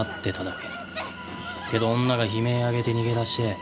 けど女が悲鳴上げて逃げ出して。